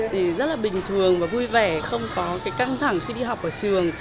thì rất là bình thường và vui vẻ không có cái căng thẳng khi đi học ở trường